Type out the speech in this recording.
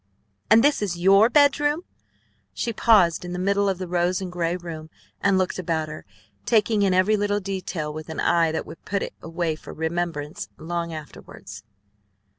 "And this is your bedroom!" she paused in the middle of the rose and gray room, and looked about her, taking in every little detail with an eye that would put it away for remembrance long afterwards.